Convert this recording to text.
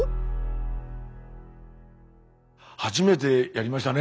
初めてやりましたね